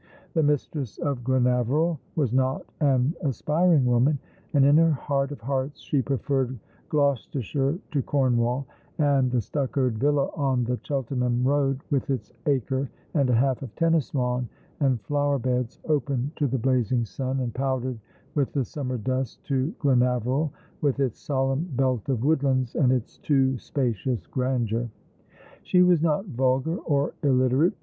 The mistress of Glenaveril was not an aspiring woman ; and in her heart of hearts she preferred Gloucestershire to Cornwall, and the stuccoed villa on the Cheltenham road, with its aero and a half of tennis lawn and flower beds, open to the blazing sun, and powdered with the summer dust, to Glenaveril, with its solemn belt of woodlands, and its too spacious grandeur. She was not vulgar or illiterate.